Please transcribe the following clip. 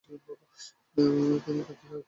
তিনি তাদের অনুমতি দিবেন না